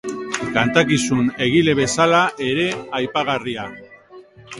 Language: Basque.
Kontakizun egile bezala ere aipagarria.